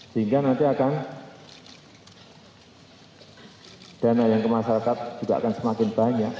sehingga nanti akan dana yang ke masyarakat juga akan semakin banyak